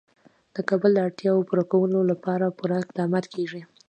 د کابل د اړتیاوو پوره کولو لپاره پوره اقدامات کېږي.